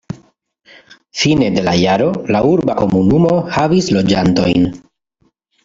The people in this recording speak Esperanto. Fine de la jaro la urba komunumo havis loĝantojn.